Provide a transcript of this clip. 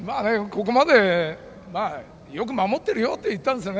ここまでよく守ってるよと言ったんですよ。